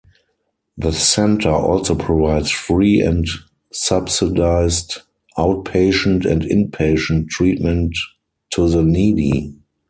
The centre also provides free and subsidised out-patient and in-patient treatment to the needy.